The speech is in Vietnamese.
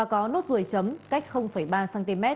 có nốt rùi chấm cách ba cm